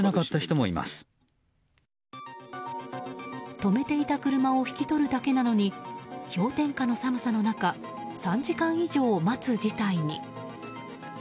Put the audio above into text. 止めていた車を引き取るだけなのに氷点下の寒さの中３時間以上、待つ事態に。